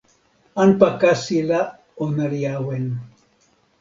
anpa kasi la ona li awen.